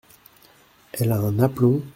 Elle a un aplomb !…